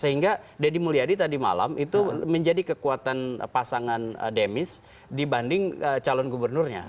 sehingga deddy mulyadi tadi malam itu menjadi kekuatan pasangan demis dibanding calon gubernurnya